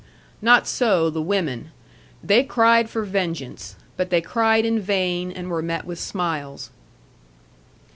Not so the women. They cried for vengeance; but they cried in vain, and were met with smiles.